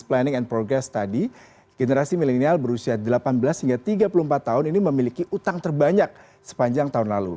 planning and progress tadi generasi milenial berusia delapan belas hingga tiga puluh empat tahun ini memiliki utang terbanyak sepanjang tahun lalu